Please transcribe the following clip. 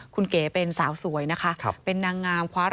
คุณเก๋เป็นสาวสวยนะคะ